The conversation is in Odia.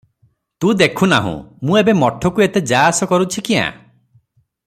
ତୁ ଦେଖୁ ନାହୁଁ, ମୁଁ ଏବେ ମଠକୁ ଏତେ ଯା-ଆସ କରୁଛି କ୍ୟାଁ?